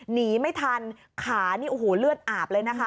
หนีไม่ทันขานี่โอ้โหเลือดอาบเลยนะคะ